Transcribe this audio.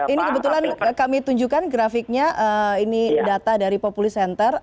ini kebetulan kami tunjukkan grafiknya ini data dari populisenter